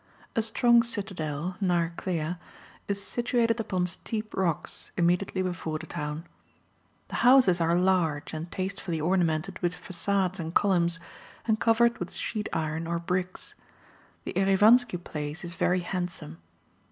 A strong citadel, Naraklea, is situated upon steep rocks, immediately before the town. The houses are large, and tastefully ornamented with facades and columns, and covered with sheet iron or bricks. The Erivanski Place is very handsome.